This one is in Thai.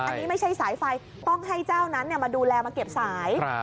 อันนี้ไม่ใช่สายไฟต้องให้เจ้านั้นมาดูแลมาเก็บสาย